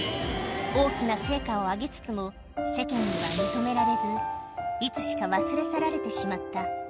大きな成果を挙げつつも世間には認められず、いつしか忘れ去られてしまった。